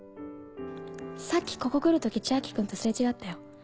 さっきここ来る時千昭君とすれ違ったよ。